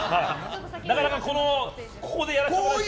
なかなかここでやらせてもらうのは。